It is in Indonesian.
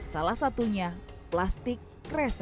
salah satunya plastik terlalu panas